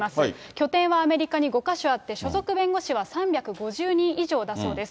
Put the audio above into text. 拠点はアメリカに５か所あって、所属弁護士は３５０人以上だそうです。